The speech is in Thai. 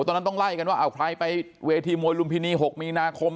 ตอนนั้นต้องไล่กันว่าเอาใครไปเวทีมวยลุมพินี๖มีนาคม